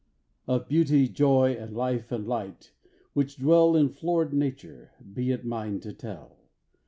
Of Beauty, Joy, and Life and Light, which dwell In florid nature, be it mine to tell.